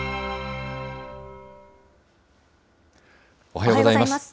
おはようございます。